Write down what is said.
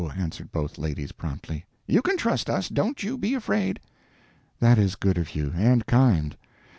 answered both ladies promptly, "you can trust us, don't you be afraid." "That is good of you, and kind.